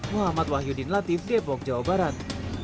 muhammad wahyudin latif depok jawa barat